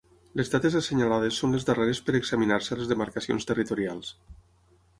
Les dates assenyalades són les darreres per examinar-se a les demarcacions territorials.